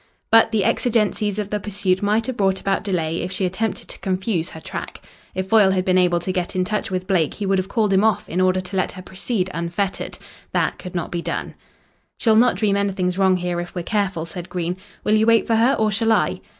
But the exigencies of the pursuit might have brought about delay if she attempted to confuse her track. If Foyle had been able to get in touch with Blake he would have called him off in order to let her proceed unfettered. That could not be done. "She'll not dream anything's wrong here if we're careful," said Green. "Will you wait for her, or shall I?"